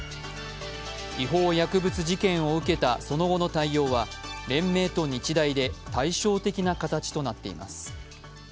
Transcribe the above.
違法薬物事件を受けたその後の対応は連盟と日大で対照的な形となっています。